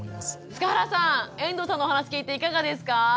塚原さん遠藤さんのお話聞いていかがですか？